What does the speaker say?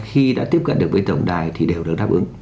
khi đã tiếp cận được với tổng đài thì đều được đáp ứng